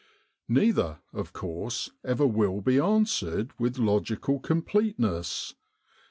' Neither, of course, ever will be answered with logical completeness.